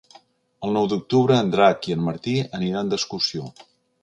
El nou d'octubre en Drac i en Martí aniran d'excursió.